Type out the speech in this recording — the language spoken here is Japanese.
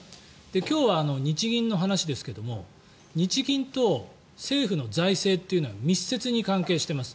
今日は日銀の話ですけども日銀と政府の財政というのは密接に関係してます。